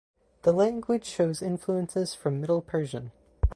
The language shows influences from Middle Persian.